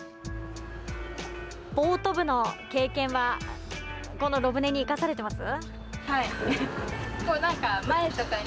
ボート部の経験はこの、ろ舟に生かされています？